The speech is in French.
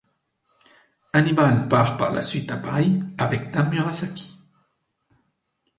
Hannibal part par la suite à Paris, avec Dame Murasaki.